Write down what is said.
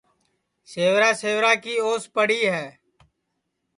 سیورا سیورا کی اوس پڑی ہے